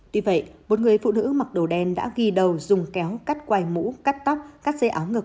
tuy vậy một người phụ nữ mặc đồ đen đã ghi đầu dùng kéo cắt quầy mũ cắt tóc cắt dây áo ngực